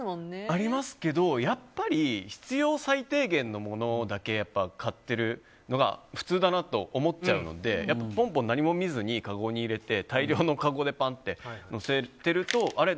ありますけど、やっぱり必要最低限のものだけ買ってるのが普通だなと思っちゃうのでポンポン何も見ずにかごに入れて大量のかごで載せるとあれ？